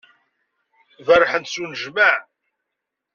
Berrḥen-d s anejmaɛ.